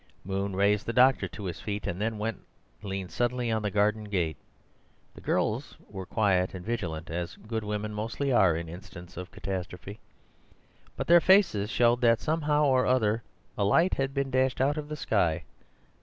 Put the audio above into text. Moon raised the doctor to his feet, and then went and leaned sullenly on the garden gate. The girls were quiet and vigilant, as good women mostly are in instants of catastrophe, but their faces showed that, somehow or other, a light had been dashed out of the sky.